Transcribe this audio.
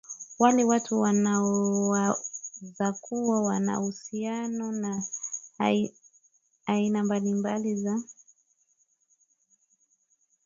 wale watu wanawezakuwa wana uhusiano na aina mbali mbali za